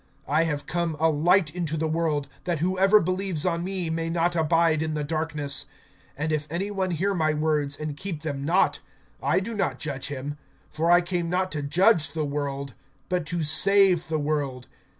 (46)I have come a light into the world, that whoever believes on me may not abide in the darkness. (47)And if any one hear my words, and keep them not, I do not judge him; for I came not to judge the world, but to save the world.